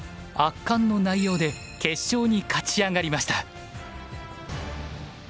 圧巻の内容で決勝に勝ち上がりました。